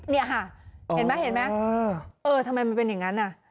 เนี่ยฮะเห็นมั้ยเห็นมั้ยเออทำไมมันเป็นอย่างนั้นน่ะ